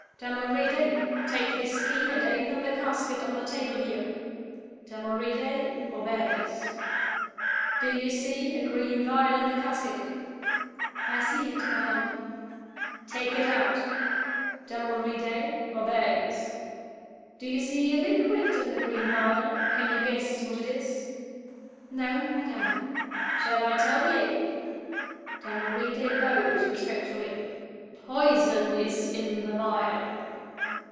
'Damoride, take this key and open the casket on the table there.' (Damoride obeys.) 'Do you see a green vial in the casket?' 'I see it, madam.' 'Take it out.' (Damoride obeys.) 'Do you see a liquid in the green vial? can you guess what it is?' 'No, madam.' 'Shall I tell you?' (Damoride bows respectfully ) 'Poison is in the vial.